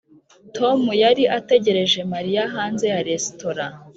tom yari ategereje mariya hanze ya resitora.